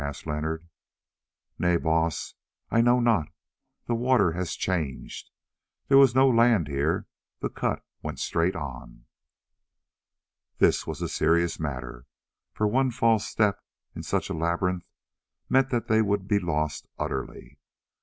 asked Leonard. "Nay, Baas, I know not. The water has changed; there was no land here, the cut went straight on." This was a serious matter, for one false step in such a labyrinth meant that they would be lost utterly.